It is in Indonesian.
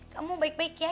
kamu baik baik ya